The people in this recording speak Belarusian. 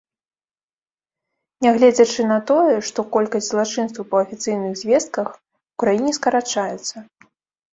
Нягледзячы на тое, што колькасць злачынстваў, па афіцыйных звестках, у краіне скарачаецца.